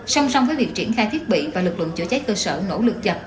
xong xong với việc triển khai thiết bị và lực lượng chữa cháy cơ sở nỗ lực dập